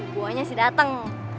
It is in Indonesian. guanya sih dateng